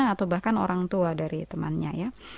atau bahkan orang tua dari temannya ya